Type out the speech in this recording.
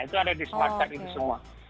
itu ada di smart ini semua